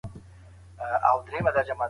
څو څو ځله به بدله نندراه شي